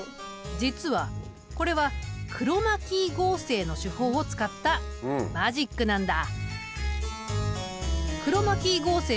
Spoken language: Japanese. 実はこれはクロマキー合成の手法を使ったマジックなんだ。